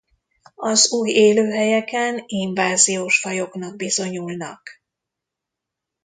Az új élőhelyeken inváziós fajoknak bizonyulnak.